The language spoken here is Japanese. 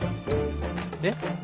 えっ？